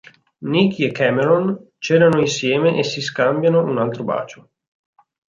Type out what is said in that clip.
Nikki e Cameron cenano insieme e si scambiano un altro bacio.